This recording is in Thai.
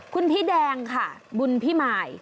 คุณพี่แดงค่ะบุญพิมาย